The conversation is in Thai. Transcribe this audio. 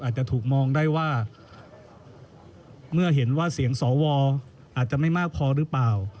อาจจะถูกมองได้ว่าเมื่อเห็นว่าเสียงสวอาจจะไม่มากพอหรือเปล่า